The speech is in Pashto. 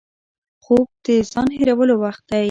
خوب د ځان هېرولو وخت دی